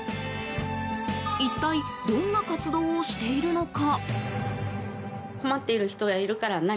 一体、どんな活動をしているのか。